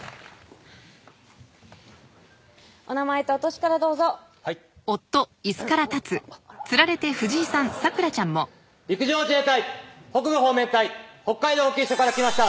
お名前とお歳からどうぞはい陸上自衛隊北部方面隊北海道補給処から来ました